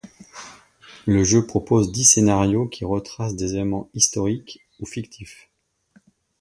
Le jeu propose dix scénarios qui retracent des événements historiques ou fictifs.